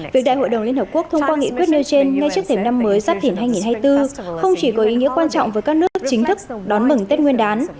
việc đại hội đồng liên hợp quốc thông qua nghị quyết nêu trên ngay trước thềm năm mới giáp thỉnh hai nghìn hai mươi bốn không chỉ có ý nghĩa quan trọng với các nước chính thức đón mừng tết nguyên đán